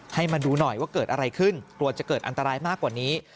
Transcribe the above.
ให้มาดูหน่อยว่าเกิดอะไรขึ้นกลัวจะเกิดอันตรายมากกว่านี้